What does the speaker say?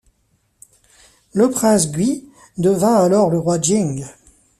Le prince Gui devint alors le roi Jing.